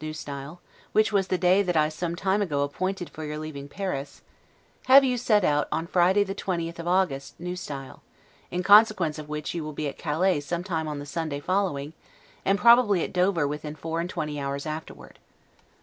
S., which was the day that I some time ago appointed for your leaving Paris, have you set out on Friday the 20th of August, N. S.; in consequence of which you will be at Calais some time on the Sunday following, and probably at Dover within four and twenty hours afterward.